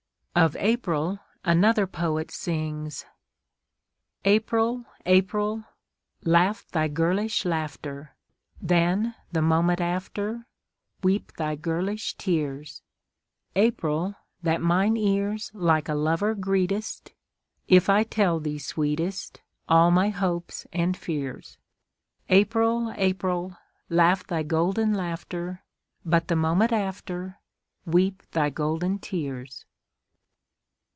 Of April another poet sings: April, April, Laugh thy girlish laughter; Then the moment after Weep thy girlish tears! April, that mine ears Like a lover greetest, If I tell thee, sweetest, All my hopes and fears. April, April, Laugh thy golden laughter. But the moment after Weep thy golden tears!